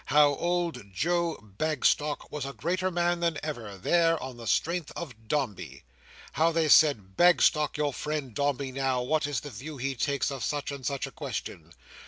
How old Joe Bagstock was a greater man than ever, there, on the strength of Dombey. How they said, "Bagstock, your friend Dombey now, what is the view he takes of such and such a question?